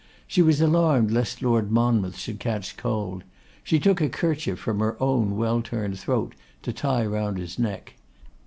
She was alarmed lest Lord Monmouth should catch cold; she took a kerchief from her own well turned throat to tie round his neck.